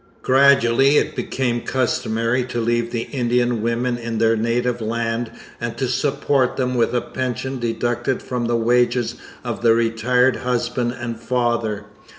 Gradually it became customary to leave the Indian women in their native land and to support them with a pension deducted from the wages of the retired husband and father.